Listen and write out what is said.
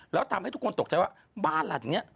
แล้วทำให้ทุกคนตกใจว่าบ้านหลังนี้